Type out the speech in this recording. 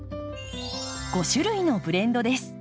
５種類のブレンドです。